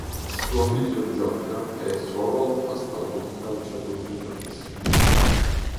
Suo figlio Jordan è a sua volta stato un calciatore professionista.